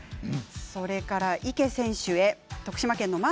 それから、池選手へ徳島県の方。